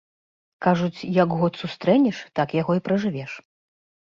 Кажуць, як год сустрэнеш, так яго і пражывеш.